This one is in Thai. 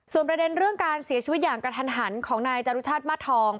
ประเด็นเรื่องการเสียชีวิตอย่างกระทันหันของนายจรุชาติมาสทอง